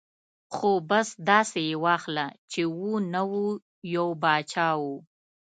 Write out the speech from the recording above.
ـ خو بس داسې یې واخله چې و نه و ، یو باچا و.